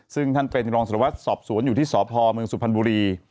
ซึ่งท่านเป็นรองสารวัตรสอบสวนอยู่ที่สพเมืองสุพรรณบุรี